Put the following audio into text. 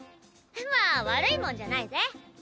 まあ悪いもんじゃないぜ。